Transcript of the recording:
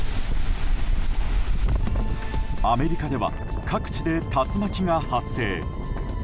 アメリカでは各地で竜巻が発生。